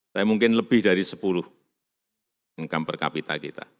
saya mungkin lebih dari sepuluh income per capita kita